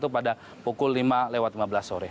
pada pukul lima lewat lima belas sore